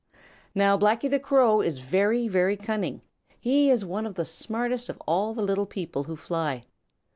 Now Blacky the Crow is very, very cunning. He is one of the smartest of all the little people who fly.